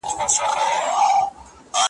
له چڼچڼو، توتکیو تر بازانو `